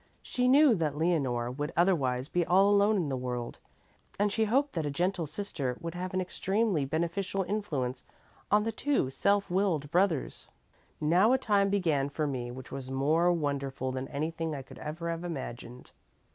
She knew that Leonore would otherwise be all alone in the world, and she hoped that a gentle sister would have an extremely beneficial influence on the two self willed brothers. Now a time began for me which was more wonderful than anything I could ever have imagined.